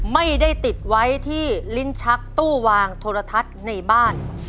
ไม่ได้ติดไว้ที่ลิ้นชักตู้วางโทรทัศน์ในบ้าน